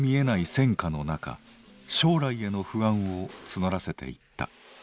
戦火の中将来への不安を募らせていった。